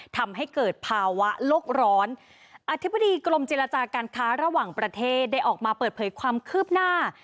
ทำให้เกิดภาวะโลกร้อนอธิบดีกรมเจรจาการค้าระหว่างประเทศได้ออกมาเปิดเผยความคืบหน้า